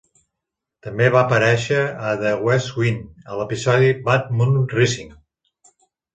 També va aparèixer a "The West Wing" a l'episodi "Bad Moon Rising".